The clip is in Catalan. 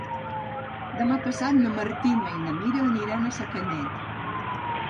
Demà passat na Martina i na Mira aniran a Sacanyet.